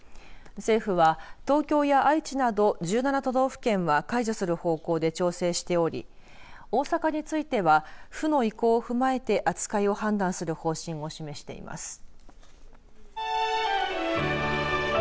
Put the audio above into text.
政府は、東京や愛知など１７都道府県は解除する方向で調整しており大阪については府の意向を踏まえて、扱いを判断する方針を示しています。